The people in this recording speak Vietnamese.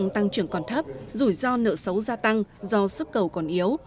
tăng trưởng còn thấp rủi ro nợ xấu gia tăng do sức cầu còn yếu